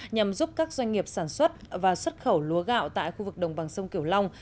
nhằm giúp các doanh nghiệp sản xuất và xuất khẩu lúa gạo tại khu vực đồng bằng sông kiểu long